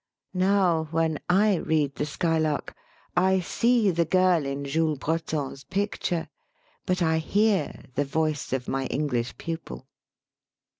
Now when I read the " Skylark," I see the girl in Jules Breton's picture, but I hear the voice of my English pupil.